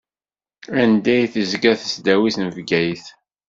Anda i d-tezga tesdawit n Bgayet?